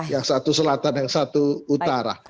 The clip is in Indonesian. yang satu selatan yang satu utara